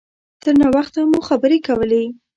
تر ناوخته مو خبرې کولې.